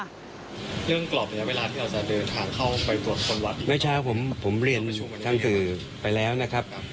เงื่องกรอบแถวเวลาที่เราจะเดินข่างเข้าไปตรวจคนวัด